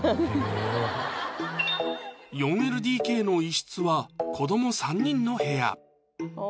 ４ＬＤＫの１室は子ども３人の部屋